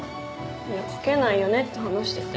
いや書けないよねって話してて。